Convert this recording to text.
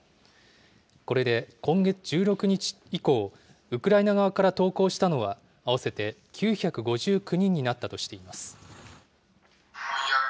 これで今月１６日以降、ウクライナ側から投降したのは、合わせて９５９人になったとしています。